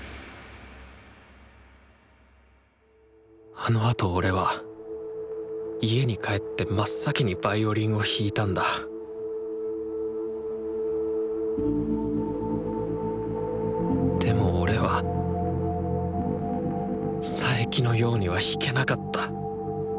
あのあと俺は家に帰って真っ先にヴァイオリンを弾いたんだでも俺は佐伯のようには弾けなかった。